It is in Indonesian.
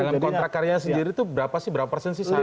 dalam kontrak karya sendiri itu berapa sih berapa persen sih